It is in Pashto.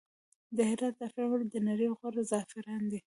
د هرات زعفران ولې د نړۍ غوره زعفران دي؟